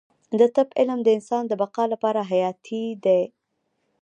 د طب علم د انسان د بقا لپاره حیاتي دی